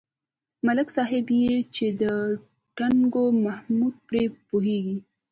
ملک صاحب یې چې و ټنگوي محمود پرې پوهېږي.